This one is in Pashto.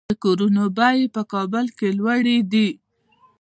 د کورونو بیې په کابل کې لوړې دي